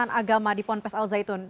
penistaan agama di pompes al zaitun